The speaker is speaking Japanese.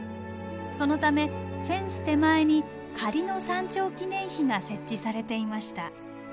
そのためフェンス手前に仮の山頂記念碑が設置されていました。